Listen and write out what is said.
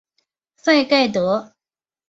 赛盖德。